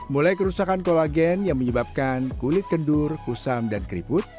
mulai kerusakan kolagen yang menyebabkan kulit kendur kusam dan keriput